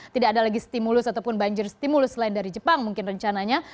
tidak ada lagi stimulus ataupun banjir stimulus lain dari jepang mungkin rencananya